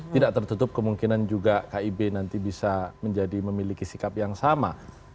tidak tertutup kemungkinan juga kib nanti bisa menjadi memiliki sikap yang sama